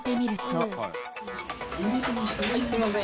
すいません。